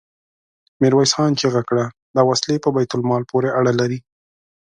ميرويس خان چيغه کړه! دا وسلې په بيت المال پورې اړه لري.